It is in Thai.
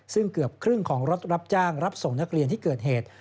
ซึ่งเกือบครึ่งของรถรับจ้างรับส่งนักเรียนที่เกิดเหตุ